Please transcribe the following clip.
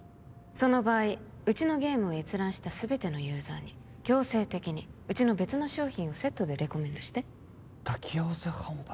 その場合うちのゲームを閲覧した全てのユーザーに強制的にうちの別の商品をセットでレコメンドして抱き合わせ販売？